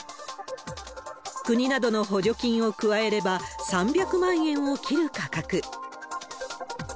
国などの補助金を加えれば、３００万円を切る価格。